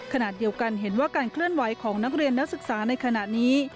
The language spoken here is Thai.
ขณะเดียวกันเห็นว่าการเคลื่อนไหวของนักเรียนนักศึกษาในขณะนี้